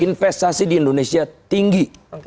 investasi di indonesia tinggi